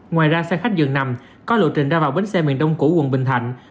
ngoài ra xe khách dường nằm có lộ trình ra vào bến xe miền đông cũ quận bình thạnh